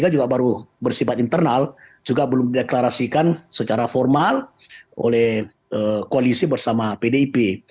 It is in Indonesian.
juga baru bersifat internal juga belum dideklarasikan secara formal oleh koalisi bersama pdip